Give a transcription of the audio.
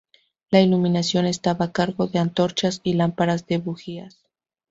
La iluminación estaba a cargo de antorchas y lámparas de bujías.